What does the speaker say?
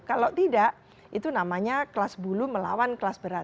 kalau tidak itu namanya kelas bulu melawan kelas berat